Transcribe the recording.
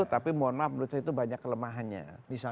tapi menurut saya itu banyak kelemahannya